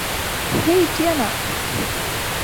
হেই, Tiana!